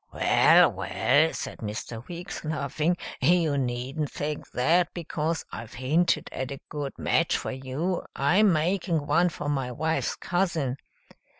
"Well, well," said Mr. Weeks, laughing, "you needn't think that because I've hinted at a good match for you I'm making one for my wife's cousin.